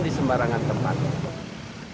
di sembarangan tempat